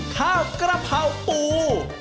ข้าวกระเพราปู